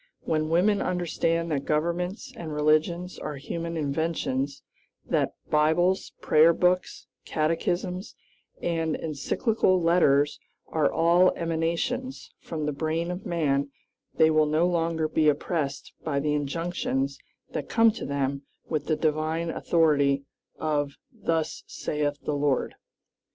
When women understand that governments and religions are human inventions; that Bibles, prayerbooks, catechisms, and encyclical letters are all emanations from the brain of man, they will no longer be oppressed by the injunctions that come to them with the divine authority of "Thus saith the Lord."